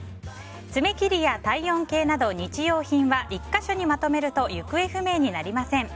爪切りや体温計など日用品は１か所にまとめると行方不明になりません。